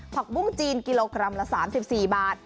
ผักบุ้งจีนกิโลกรัมละ๓๔บาท